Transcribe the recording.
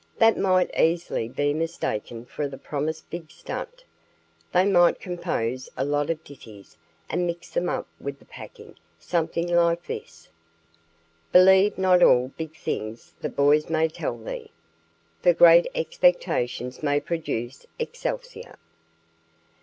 "That might easily be mistaken for the promised big stunt. They might compose a lot of ditties and mix them up with the packing, something like this: "'Believe not all big things that boys may tell thee, for Great expectations may produce excelsior'."